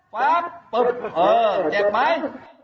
ป๊าบปุ๊บเออเจ็บไหม